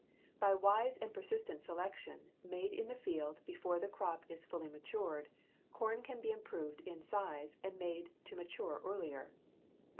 By wise and persistent selection, made in the field before the crop is fully matured, corn can be improved in size and made to mature earlier.